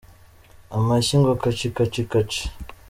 Amashyi ngo kaci kaci kaci kaci.